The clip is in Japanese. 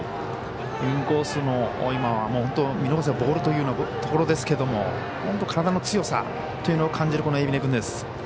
インコースの見逃せばボールというところですけれども本当、体の強さというのを感じるこの海老根君です。